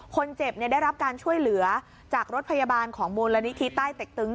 คนเจ็บได้รับการช่วยเหลือจากรถพยาบาลของมูลนิธิใต้เต็กตึง